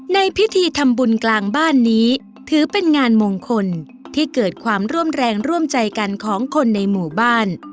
ในพิธีทำบุญกลางบ้านนี้ถือเป็นงานมงคลที่เกิดความร่วมแรงร่วมใจกันของคนในหมู่บ้าน